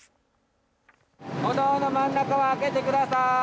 歩道の真ん中を開けてください。